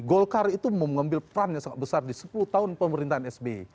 golkar itu mengambil peran yang sangat besar di sepuluh tahun pemerintahan sby